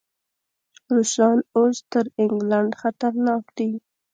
روسان اوس تر انګلینډ خطرناک دي.